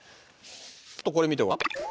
ちょっとこれ見てごらん。